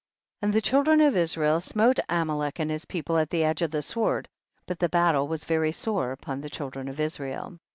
55. And the children of Israel smote Amalek and his people at the edge of the sword, but the battle was very sore upon the children of Israel.